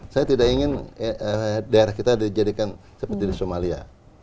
saya tidak ingin daerah kita dijadikan seperti di somalia